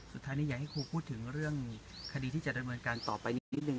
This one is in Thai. สุดท้ายนี้อยากให้ครูพูดถึงเรื่องคดีที่จะดำเนินการต่อไปอีกนิดนึ